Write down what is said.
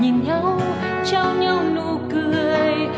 nhìn nhau trao nhau nụ cười